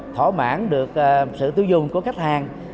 thỏa mãn được sự tiêu dùng của khách hàng